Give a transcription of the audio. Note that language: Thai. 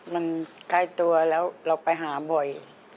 มันใกล้ตัวแล้วเราไปหาบ่อย